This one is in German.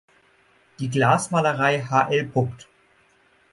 Die Glasmalereien hl.